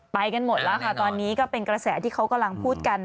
ไปกันหมดแล้วค่ะตอนนี้ก็เป็นกระแสที่เขากำลังพูดกัน